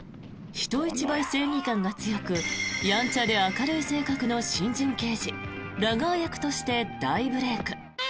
人一倍正義感が強くやんちゃで明るい性格の新人刑事ラガー役として大ブレーク。